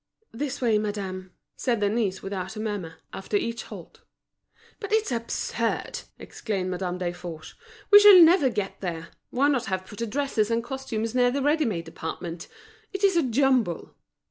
"This way, madame," said Denise without a murmur, after each halt. "But it's absurd!" exclaimed Madame Desforges. "We shall never get there. Why not have put the dresses and costumes near the ready made department? It is a jumble!"